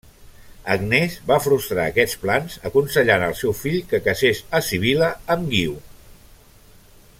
Agnès va frustrar aquests plans aconsellant el seu fill que casés a Sibil·la amb Guiu.